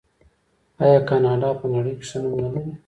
آیا کاناډا په نړۍ کې ښه نوم نلري؟